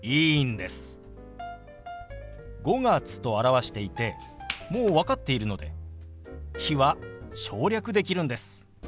「５月」と表していてもう分かっているので「日」は省略できるんです。